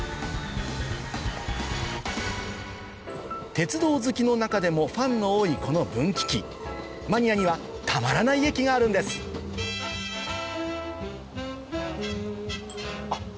鉄道好きの中でもファンの多いこの分岐器マニアにはたまらない駅があるんですあっ